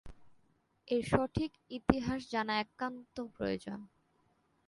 এর সঠিক ইতিহাস জানা একান্ত প্রয়োজন।